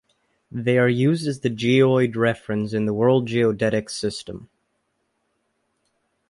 They are used as the geoid reference in the World Geodetic System.